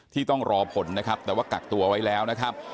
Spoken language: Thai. ต้องรอผลนะครับแต่ว่ากักตัวไว้แล้วนะครับ